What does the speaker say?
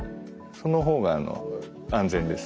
その方があの安全です。